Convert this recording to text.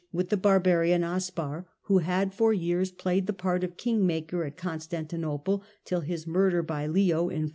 a ° ius with the barbarian Aspar who had for years played the part of king maker at Constantinople, till his murder by Leo in 471.